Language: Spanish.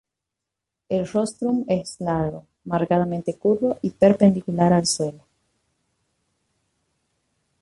El rostrum es largo, marcadamente curvo y perpendicular al suelo.